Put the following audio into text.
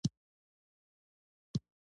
غرمه د دعا د قبولو ساعت دی